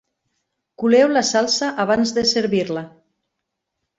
Coleu la salsa abans de servir-la.